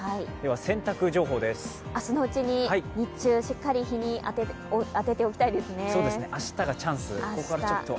明日のうちに、日中、しっかり日に当てておきたいですね。